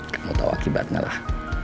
kamu tau akibatnya lah